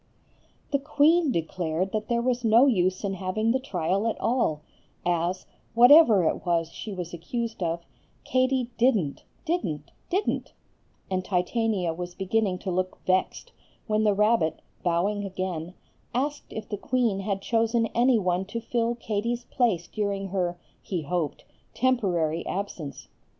The queen declared that there was no use in having the trial at all, as, whatever it was she was accused of, Katie didn't, didn't, didn't; and Titania was beginning to look vexed, when the rabbit, bowing again, asked if the queen had chosen any one to fill Katie's place during her (he hoped) temporary absence.